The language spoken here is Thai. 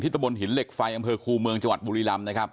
ทิตบลหินเหล็กไฟอำเภอครูเมืองจังหวัดบุรีรำ